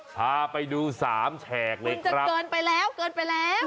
พาไปดูสามแฉกเลยมันจะเกินไปแล้วเกินไปแล้ว